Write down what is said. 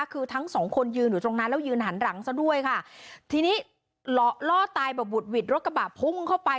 คือทั้งสองคนยืนอยู่ตรงนั้นแล้วยืนหันหลังซะด้วยค่ะทีนี้ล่อตายแบบบุดหวิดรถกระบะพุ่งเข้าไป